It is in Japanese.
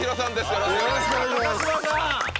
よろしくお願いします